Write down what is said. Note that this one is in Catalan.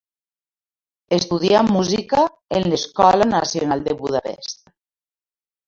Estudià música en l'Escola Nacional de Budapest.